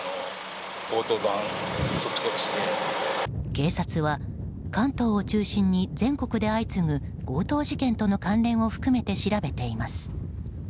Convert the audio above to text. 警察は関東を中心に全国で相次ぐ強盗事件との関連を含めて調べています。